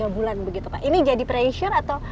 dua bulan begitu pak ini jadi pressure atau